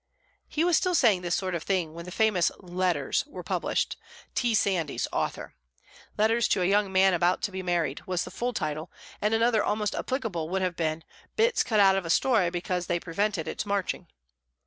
He was still saying this sort of thing when the famous "Letters" were published T. Sandys, author. "Letters to a Young Man About to be Married" was the full title, and another almost as applicable would have been "Bits Cut Out of a Story because They Prevented its Marching."